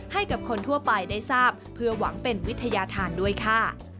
ให้กับคนทั่วไปได้ทราบเพื่อหวังเป็นวิทยาธารด้วยค่ะ